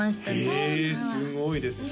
へえすごいですね